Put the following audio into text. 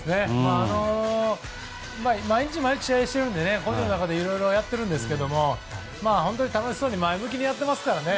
毎日、毎日試合をやっているので本人の中でいろいろやってるんですけども楽しそうに前向きにやってますからね。